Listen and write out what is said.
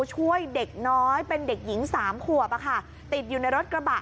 ช่วยเด็กน้อยเป็นเด็กหญิงสามขวบติดอยู่ในรถกระบะ